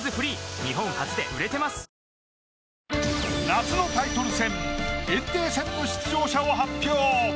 夏のタイトル戦炎帝戦の出場者を発表。